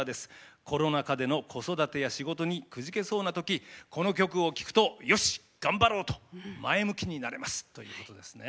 コロナ禍での子育てや仕事にくじけそうなときこの曲を聴くと『よし！頑張ろう！』と前向きになれます」ということですね。